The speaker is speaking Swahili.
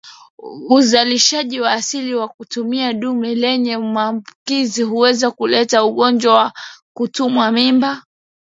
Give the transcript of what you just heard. Uzalishaji wa asili kwa kutumia dume lenye maambukizi huweza kuleta ugonjwa wa kutupa mimba